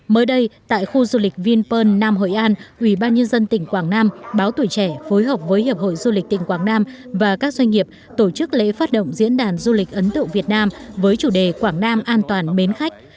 mới đây tại khu du lịch vinpearl nam hội an ubnd tỉnh quảng nam báo tuổi trẻ phối hợp với hiệp hội du lịch tỉnh quảng nam và các doanh nghiệp tổ chức lễ phát động diễn đàn du lịch ấn tượng việt nam với chủ đề quảng nam an toàn mến khách